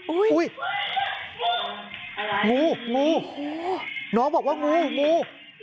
อุ้ยงูงูน้องบอกว่างูงู